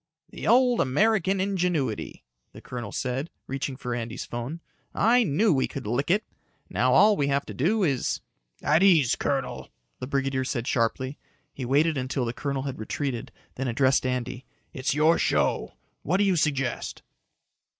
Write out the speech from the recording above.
"The old American ingenuity," the colonel said, reaching for Andy's phone. "I knew we could lick it. Now all we have to do " "At ease, colonel," the brigadier said sharply. He waited until the colonel had retreated, then addressed Andy. "It's your show. What do you suggest?"